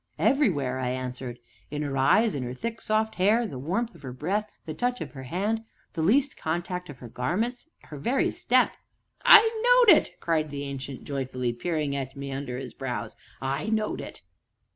"Everywhere!" I answered; "in her eyes, in her thick, soft hair, the warmth of her breath, the touch of her hand, the least contact of her garments her very step!" "I knowed it!" cried the Ancient joyfully, peering at me under his brows; "I knowed it!"